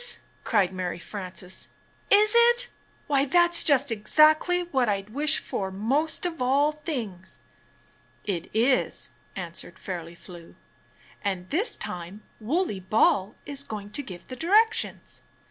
cried Mary Frances. "Is it? Why, that's just exactly what I'd wish for most of all things!" "It is," answered Fairly Flew, "and this time Wooley Ball is going to give the directions."